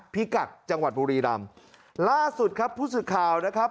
พิกัดจังหวัดบุรีรำล่าสุดครับผู้สื่อข่าวนะครับ